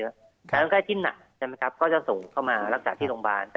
แล้วเลือกไกลจิ้มหนักจะส่งเข้ามารักษาที่โรงพยาบาล